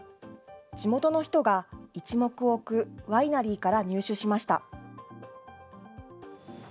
地元の人が一目を置くワイナリーから入手しました。